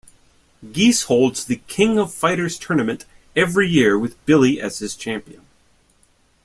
Geese holds "The King of Fighters" tournament every year with Billy as his champion.